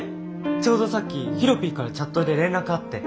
ちょうどさっきヒロピーからチャットで連絡あって。